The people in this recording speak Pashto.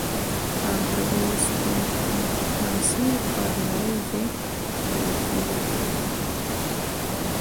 پام کوئ! سپڼسی پر نري ځای پرې کېږي.